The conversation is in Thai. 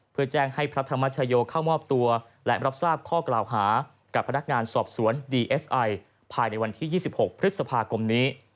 เพื่อแจ้งให้พระธรรมชโยเข้ามอบตัวและรับทราบข้อกล่าวหากับพนักงานสอบสวนดีเอสไอภายในวันที่๒๖พฤษภาคมนี้